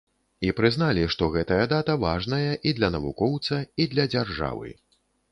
І прызналі, што гэтая дата важная і для навукоўца, і для дзяржавы.